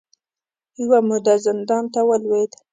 یوه موده زندان ته ولوېد